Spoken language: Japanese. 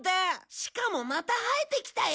しかもまた生えてきたよ。